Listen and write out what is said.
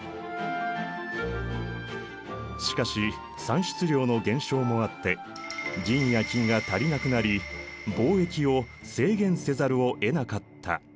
しかし産出量の減少もあって銀や金が足りなくなり貿易を制限せざるをえなかった。